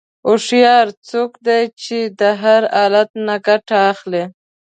هوښیار څوک دی چې د هر حالت نه ګټه اخلي.